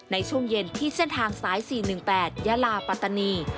ในช่วงเย็นที่เส้นทางสาย๔๑๘ยาลาปัตตานี